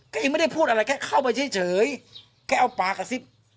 ก็ยังไม่ได้พูดอะไรแค่เข้าไปเฉยแกเอาปากกระซิบ